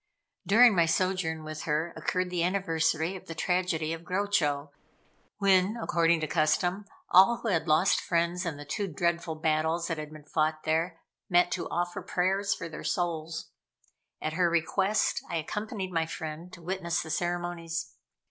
During my sojourn with her occurred the anniversary of the tragedy of Grochow, when, according to custom, all who had lost friends in the two dreadful battles that had been fought there, met to offer prayers for their souls. At her request, I accompanied my friend to witness the ceremonies.